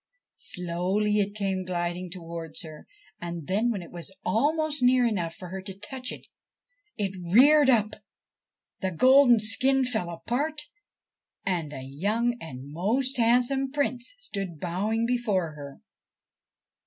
Slowly it came gliding towards her, and then, when it was almost near enough for her to touch it, it reared up the golden skin fell apart, and a young and most handsome Prince stood bowing before her.